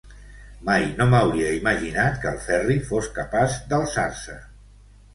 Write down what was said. Mai no m'hauria imaginat que el Ferri fos capaç d'alçar-se.